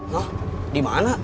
hah di mana